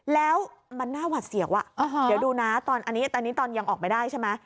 แล้วมันน่าหวัดเสียวเดี๋ยวดูนะตอนนี้ตอนยังออกไม่ได้ใช่ไหม